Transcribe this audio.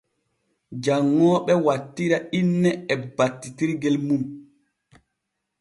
Janŋooɓe wattira inne e battitirgel mum.